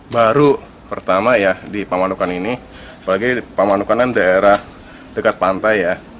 baru pertama ya di pamanukan ini apalagi pamanukan kan daerah dekat pantai ya